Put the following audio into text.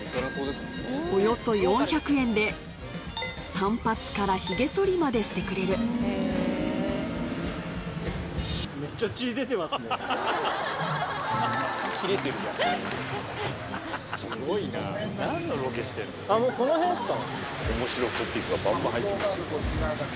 散髪からヒゲ剃りまでしてくれるもうこの辺ですか。